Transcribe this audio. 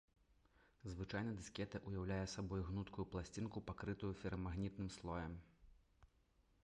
Звычайна дыскета ўяўляе сабой гнуткую пласцінку, пакрытую ферамагнітным слоем.